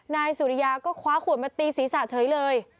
นายสุริยาก็คว้าขวดมาตีศีรษะเฉยเลย